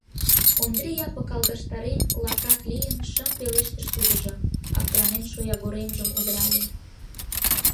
— Ондри Япык алгаштарен, — лапрак лийын, шып пелештыш тудыжо, аптранен шоягоремжым удырале.